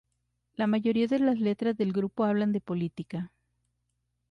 La mayoría de las letras del grupo hablan de política.